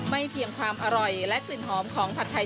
เพียงความอร่อยและกลิ่นหอมของผัดไทย